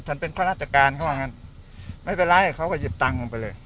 เป็นข้าราชการเขาว่างั้นไม่เป็นไรเขาก็หยิบตังค์ผมไปเลย